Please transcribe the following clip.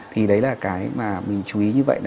thì đấy là cái mà mình chú ý như vậy